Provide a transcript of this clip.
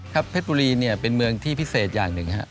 เพชรบุรีเนี่ยเป็นเมืองที่พิเศษอย่างหนึ่งครับ